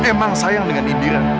aku emang sayang dengan indira